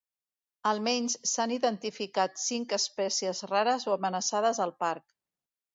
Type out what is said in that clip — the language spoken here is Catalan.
Al menys s'han identificat cinc espècies rares o amenaçades al parc.